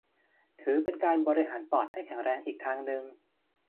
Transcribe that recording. ถือเป็นการบริหารปอดให้แข็งแรงอีกทางหนึ่ง